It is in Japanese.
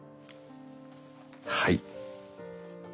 はい。